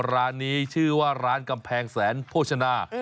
ร้านนี้ชื่อว่าร้านกำแพงแสนโภชนา